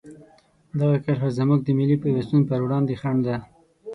دغه کرښه زموږ د ملي پیوستون په وړاندې خنډ ده.